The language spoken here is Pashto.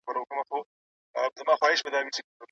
په ټولنه کي د خیر کارونه وکړئ.